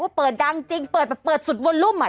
ว่าเปิดดังจริงเปิดสุดวอลลุ่มอ่ะ